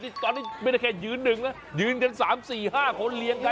ตอนนี้ไม่ได้แค่ยืนหนึ่งนะยืนกันสามสี่ห้าคนเรียงกัน